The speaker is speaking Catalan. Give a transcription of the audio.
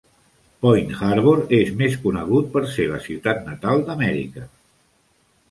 Point Harbor és més conegut per ser la ciutat natal d'Amèrica.